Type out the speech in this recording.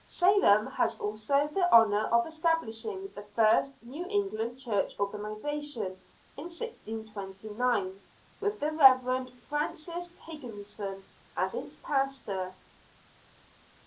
Salem has also the honor of establishing the first New England church organization, in 1629, with the Reverend Francis Higginson as its pastor.